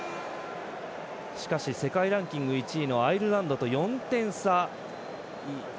しかし世界ランク１位のアイルランドと４点差。